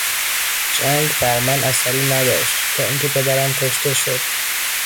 جنگ بر من اثری نداشت تا اینکه پدرم کشته شد.